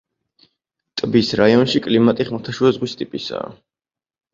ტბის რაიონში კლიმატი ხმელთაშუაზღვის ტიპისაა.